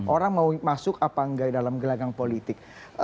orang mau masuk apa enggak dalam gelagang politik